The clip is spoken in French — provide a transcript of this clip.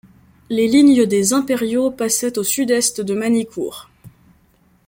Les lignes des Impériaux passaient au sud-est de Manicourt.